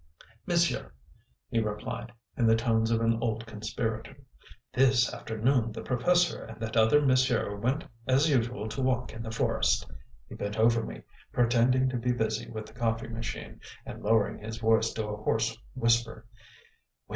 "Monsieur," he replied, in the tones of an old conspirator, "this afternoon the professor and that other monsieur went as usual to walk in the forest." He bent over me, pretending to be busy with the coffee machine, and lowering his voice to a hoarse whisper.